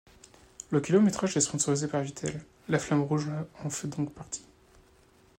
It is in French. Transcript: Le kilométrage est sponsorisé par Vittel, la flamme rouge en fait donc partie.